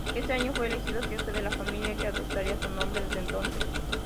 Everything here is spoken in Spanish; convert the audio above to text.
Ese año fue elegido jefe de la familia que adoptaría su nombre desde entonces.